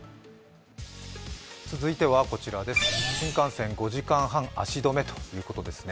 続いては新幹線５時間半、足止めということですね。